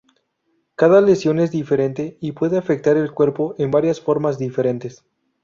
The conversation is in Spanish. Cada lesión es diferente y puede afectar el cuerpo en varias formas diferentes.